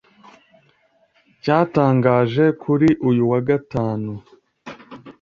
cyatangaje kuri uyu wa Gatanu